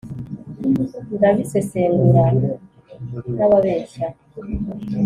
Ndabisesengura ntababeshya